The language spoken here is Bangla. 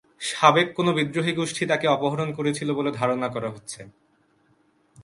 সাবেক কোনো বিদ্রোহী গোষ্ঠী তাঁকে অপহরণ করেছিল বলে ধারণা করা হচ্ছে।